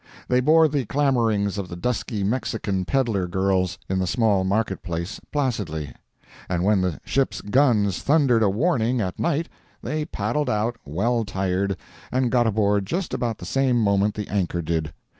They bore the clamorings of the dusky Mexican peddler girls, in the small market place, placidly; and when the ship's guns thundered a warning at night, they paddled out, well tired and got aboard just about the same moment the anchor did.